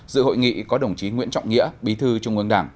dự hội nghị có đồng chí nguyễn trọng nghĩa bí thư trung ương đảng